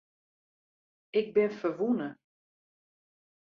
Ik bin ferwûne.